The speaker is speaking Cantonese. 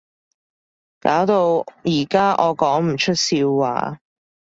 搞到而家我講唔出笑話